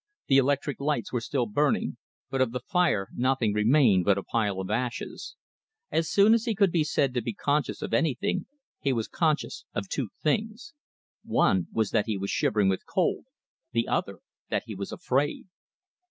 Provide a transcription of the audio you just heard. The electric lights were still burning, but of the fire nothing remained but a pile of ashes. As soon as he could be said to be conscious of anything, he was conscious of two things. One was that he was shivering with cold, the other that he was afraid.